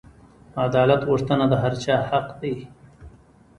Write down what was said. عدالت غوښتنه د هر چا حق دی.